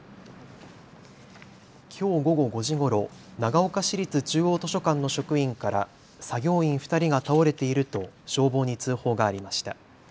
きょう午後５時ごろ、長岡市立中央図書館の職員から作業員２人が倒れていると消防に通報がありました。